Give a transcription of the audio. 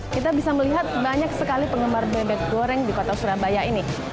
kita bisa melihat banyak sekali penggemar bebek goreng di kota surabaya ini